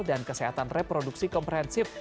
dan kesehatan reproduksi komprehensif